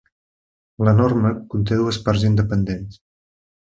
La norma conté dues parts independents.